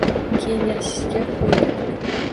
Kengashga qo’ydi: